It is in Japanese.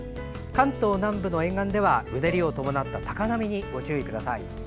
関東南部の沿岸ではうねりを伴った高波にご注意ください。